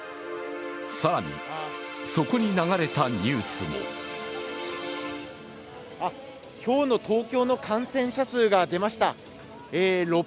更に、そこに流れたニュースも今日の東京の感染者数が出ました。